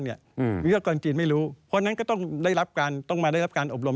วิศากรจีนไม่รู้เพราะฉะนั้นก็ต้องมาได้รับการอบรม